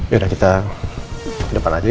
yaudah kita ke depan aja yuk